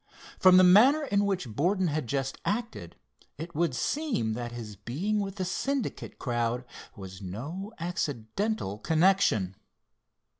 From the manner in which Borden had just acted, it would seem that his being with the Syndicate crowd was no accidental connection.